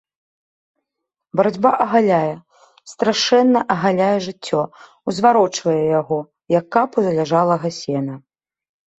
Барацьба агаляе, страшэнна агаляе жыццё, узварочвае яго, як капу заляжалага сена.